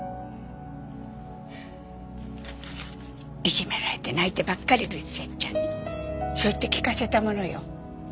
いじめられて泣いてばかりいるセッちゃんにそう言って聞かせたものよ。